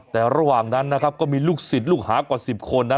แต่ระหว่างนั้นนะครับก็มีลูกศิษย์ลูกหากว่า๑๐คนนะ